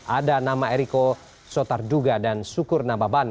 ada nama eriko sotarduga dan sukur nababan